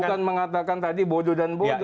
bukan mengatakan tadi bodoh dan bodoh